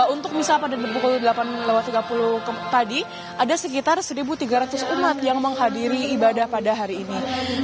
untuk misal pada pukul delapan tiga puluh tadi ada sekitar satu tiga ratus umat yang menghadiri ibadah pada hari ini